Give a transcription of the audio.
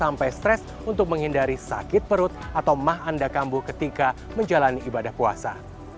sampai stres untuk menghindari sakit perut atau mah anda kambuh ketika menjalani ibadah puasa